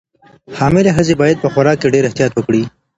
حامله ښځې باید په خوراک کې ډېر احتیاط وکړي.